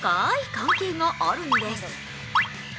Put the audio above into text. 関係があるんです。